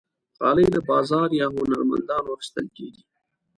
غالۍ له بازار یا هنرمندانو اخیستل کېږي.